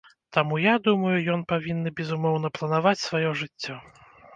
Таму я думаю, ён павінны, безумоўна, планаваць сваё жыццё.